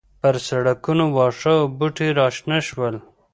پر سړکونو واښه او بوټي راشنه شول.